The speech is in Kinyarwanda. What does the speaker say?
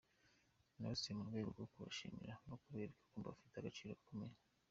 Nabasuye mu rwego rwo kubashimira no kubereka ko bafite agaciro gakomeye.